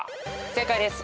正解です。